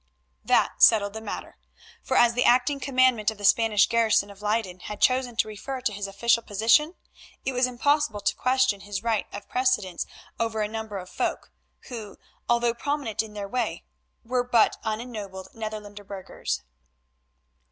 That settled the matter, for as the acting commandant of the Spanish garrison of Leyden had chosen to refer to his official position, it was impossible to question his right of precedence over a number of folk, who, although prominent in their way, were but unennobled Netherlander burghers.